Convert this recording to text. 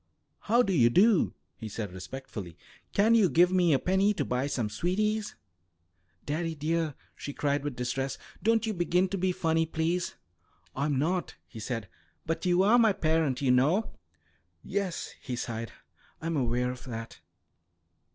"How do you do," he said respectfully. "Can you give me a penny to buy some sweeties?" "Daddie, dear!" she cried with distress. "Don't you begin to be funny, please." "I'm not," he said. "But you are my parent, you know." "Yes," he sighed, "I'm aware of that.